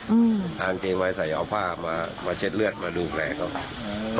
อืมอางเกงมาให้ใส่เอาผ้ามามาเช็ดเลือดมาดูแปลเขา